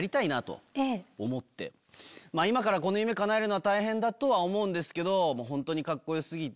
今からこの夢かなえるのは大変だとは思うんですけど本当にカッコ良過ぎて。